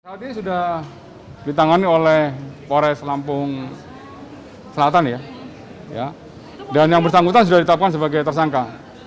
tadi sudah ditangani oleh pores lampung selatan ya dan yang bersangkutan sudah ditetapkan sebagai tersangka